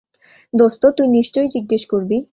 দোস্ত, তুই নিশ্চয়ই জিজ্ঞেস করবি।